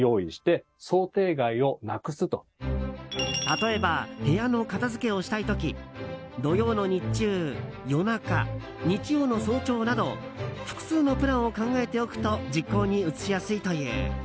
例えば部屋の片付けをしたい時土曜の日中、夜中日曜の早朝など複数のプランを考えておくと実行に移しやすいという。